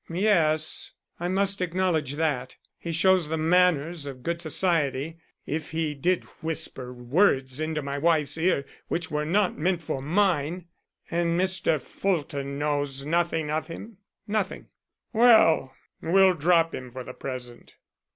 "Yes, I must acknowledge that. He shows the manners of good society, if he did whisper words into my wife's ear which were not meant for mine." "And Mr. Fulton knows nothing of him?" "Nothing." "Well, we'll drop him for the present.